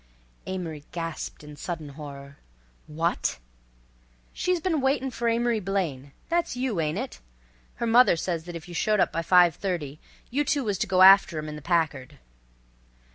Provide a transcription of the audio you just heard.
Amory gasped in sudden horror. "What?" "She's been waitin' for Amory Blaine. That's you, ain't it? Her mother says that if you showed up by five thirty you two was to go after 'em in the Packard."